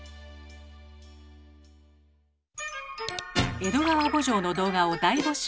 「江戸川慕情」の動画を大募集。